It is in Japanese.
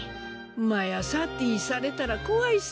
まやさってぃされたら怖いさ。